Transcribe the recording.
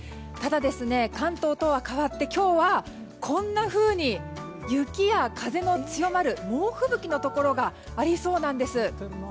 ただ、関東とは変わって今日はこんなふうに雪や風の強まる猛吹雪のところがありそうなんです。